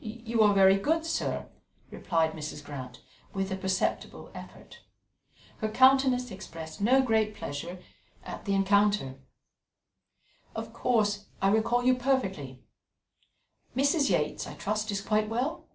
"You are very good, sir," replied Mrs. Grant, with a perceptible effort. Her countenance expressed no great pleasure at the encounter. "Of course, I recall you perfectly. Mrs. Yates, I trust, is quite well."